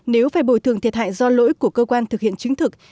nếu phải bồi thường thiệt hại do lỗi của cơ quan thực hiện chứng thực